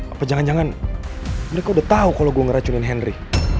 apa jangan jangan mereka udah tahu kalau gue ngeracunin henry